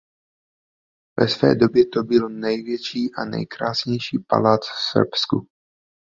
Ve své době to byl největší a nejkrásnější palác v Srbsku.